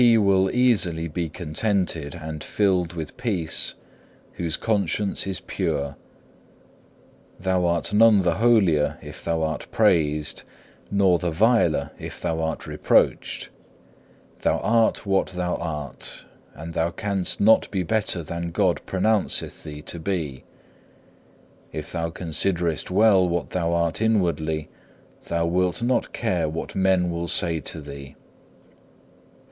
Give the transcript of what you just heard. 3. He will easily be contented and filled with peace, whose conscience is pure. Thou art none the holier if thou art praised, nor the viler if thou art reproached. Thou art what thou art; and thou canst not be better than God pronounceth thee to be. If thou considerest well what thou art inwardly, thou wilt not care what men will say to thee.